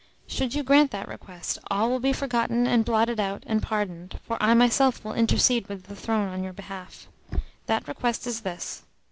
Should you grant that request, all will be forgotten and blotted out and pardoned, for I myself will intercede with the Throne on your behalf. That request is this.